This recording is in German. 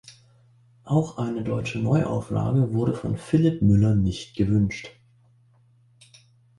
Auch eine deutsche Neuauflage wurde von Filip Müller nicht gewünscht.